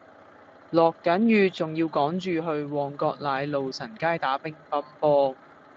落緊雨仲要趕住去旺角奶路臣街打乒乓波